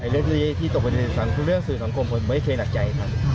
เรื่องสื่อสังคมผมไม่เคยหนักใจ